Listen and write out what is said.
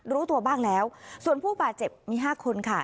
รู้ตัวบ้างแล้วส่วนผู้บาดเจ็บมี๕คนค่ะ